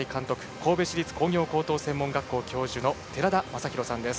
神戸市立工業高等専門学校教授の寺田雅裕さんです。